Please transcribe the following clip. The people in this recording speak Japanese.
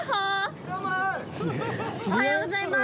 おはようございます。